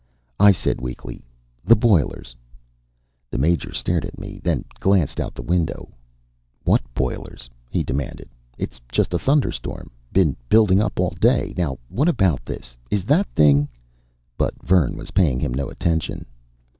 I said weakly: "The boilers." The Major stared at me, then glanced out the window. "What boilers?" he demanded. "It's just a thunderstorm. Been building up all day. Now what about this? Is that thing " But Vern was paying him no attention.